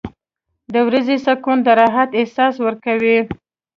• د ورځې سکون د راحت احساس ورکوي.